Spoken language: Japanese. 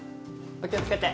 お気を付けて。